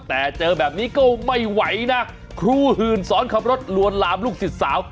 แต่เจอแบบนี้ก็ไม่ไหวนะครูหื่นสอนขับรถลวนลามลูกศิษย์สาว